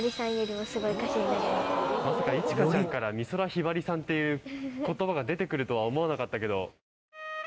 まさか苺花ちゃんから美空ひばりさんっていう言葉が出てくるとは思わなかったけど。